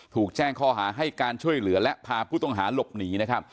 ถูกแจ้งข้อหาให้การช่วยเหลือและพาผู้ต้องหาหลบหนีนะครับ